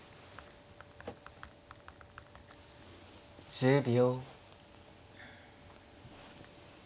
１０秒。